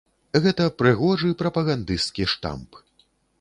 Гэта прыгожы прапагандысцкі штамп.